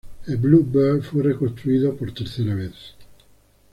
El Blue Bird fue reconstruido por tercera vez.